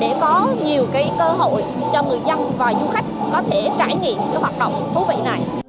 để có nhiều cơ hội cho người dân và du khách có thể trải nghiệm cái hoạt động thú vị này